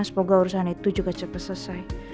semoga urusan itu juga cepat selesai